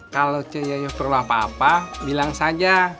kalau cuy yoyo perlu apa apa bilang saja